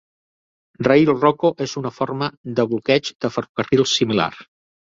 Rail Roko és una forma de bloqueig de ferrocarrils similar.